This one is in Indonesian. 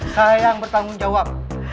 saya yang bertanggung jawab